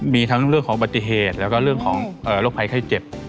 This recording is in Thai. มีทั้งเรื่องของปฏิเหตุแล้วก็เรื่องของโรคภัยไข้เจ็บ